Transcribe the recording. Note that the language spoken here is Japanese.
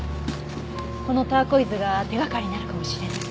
このターコイズが手掛かりになるかもしれない。